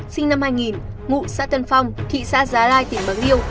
sinh năm hai nghìn ngụ xã tân phong thị xã giá lai tỉnh bắc liêu